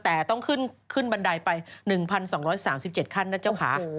แต่ต้องขึ้นบันไดไป๑๒๓๗ขั้นนะเจ้าขา